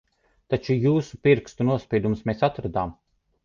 Taču jūsu pirkstu nospiedumus mēs atradām.